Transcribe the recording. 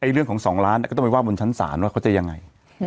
เรื่องของ๒ล้านก็ต้องไปว่าบนชั้นศาลว่าเขาจะยังไง